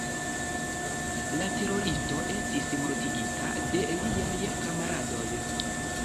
La teroristo estis mortigita de liaj kamaradoj.